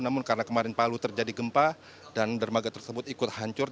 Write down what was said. namun karena kemarin palu terjadi gempa dan dermaga tersebut ikut hancur